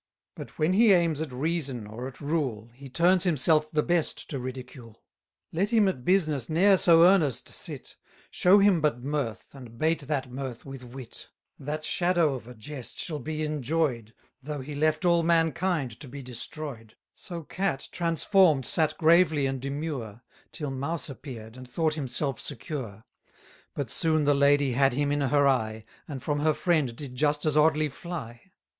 But when he aims at reason or at rule, 90 He turns himself the best to ridicule; Let him at business ne'er so earnest sit, Show him but mirth, and bait that mirth with wit; That shadow of a jest shall be enjoy'd, Though he left all mankind to be destroy'd. So cat transform'd sat gravely and demure, Till mouse appear'd, and thought himself secure; But soon the lady had him in her eye, And from her friend did just as oddly fly.